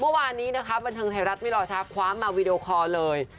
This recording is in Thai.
เมื่อวานนี้นะคะบนทางไทยรัฐไม่หล่อชะความมาวีดีโอคอล์เลย